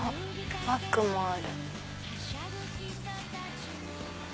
バッグもある。